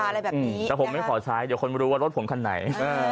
อะไรแบบนี้แต่ผมไม่ขอใช้เดี๋ยวคนไม่รู้ว่ารถผมคันไหน